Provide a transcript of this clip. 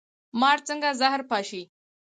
مار څنګه زهر پاشي؟